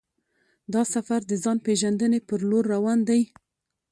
دا سفر د ځان پېژندنې پر لور روان دی.